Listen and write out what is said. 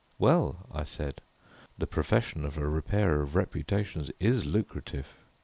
"Well," I said, "the profession of a Repairer of Reputations is lucrative."